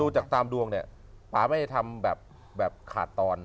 ดูจากตามดวงป่าไม่ได้ทำแบบขาดตอน